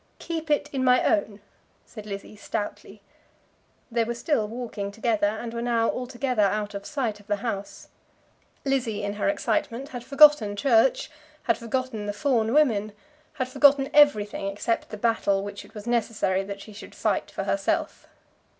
"Keep it in my own," said Lizzie stoutly. They were still walking together, and were now altogether out of sight of the house. Lizzie in her excitement had forgotten church, had forgotten the Fawn women, had forgotten everything except the battle which it was necessary that she should fight for herself.